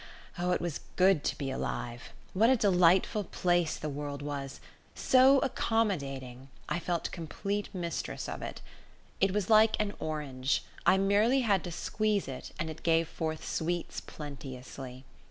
Oh, it was good to be alive! What a delightful place the world was! so accommodating, I felt complete mistress of it. It was like an orange I merely had to squeeze it and it gave forth sweets plenteously.